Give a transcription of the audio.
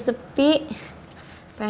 selama terima kasih